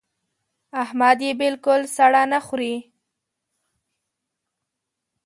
احمد يې بالکل سړه نه خوري.